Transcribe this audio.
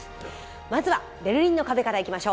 まずはベルリンの壁からいきましょう。